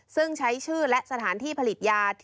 ซึ่งใช้ชื่อและสถานที่ผลิตยา